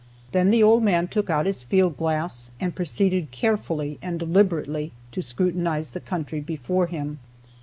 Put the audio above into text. Then the old man took out his field glass, and proceeded carefully and deliberately to scrutinize the country before him.